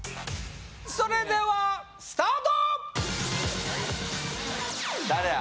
それではスタート誰や？